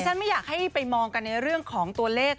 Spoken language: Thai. ไม่อยากให้ไปมองกันในเรื่องของตัวเลข